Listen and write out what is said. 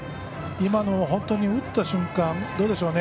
今の本当に打った瞬間